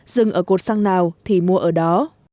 dừng ở cột sang nào thì mua ở đó